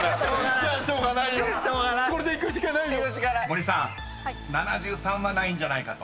［森さん７３はないんじゃないかと？］